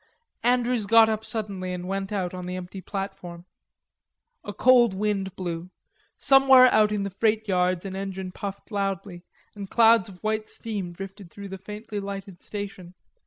Andrews got up suddenly and went out on the empty platform. A cold wind blew. Somewhere out in the freight yards an engine puffed loudly, and clouds of white steam drifted through the faintly lighted station.